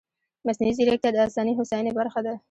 مصنوعي ځیرکتیا د انساني هوساینې برخه ده.